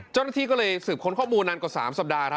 เจ้าหน้าที่ก็เลยสืบค้นข้อมูลนานกว่า๓สัปดาห์